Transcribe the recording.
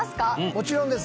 もちろんです。